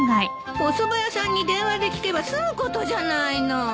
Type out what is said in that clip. おそば屋さんに電話で聞けば済むことじゃないの。